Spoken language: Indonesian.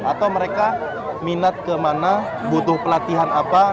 atau mereka minat kemana butuh pelatihan apa